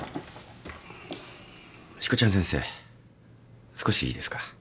しこちゃん先生少しいいですか？